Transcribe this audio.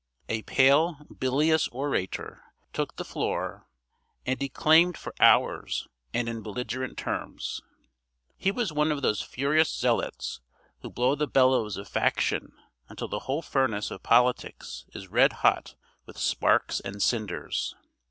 A pale bilious orator took the floor, and declaimed for hours and in belligerent terms. He was one of those furious zealots who blow the bellows of faction until the whole furnace of politics is red hot with sparks and cinders.